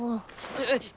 えっ！